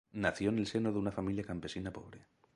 Nació en el seno de una familia campesina pobre.